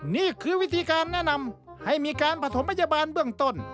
นี่คือวิธีการแนะนำให้มีการประถมพยาบาลเบื้องต้น